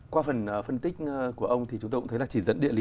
qua phần phân tích của ông thì chúng tôi cũng thấy là chỉ dẫn địa lý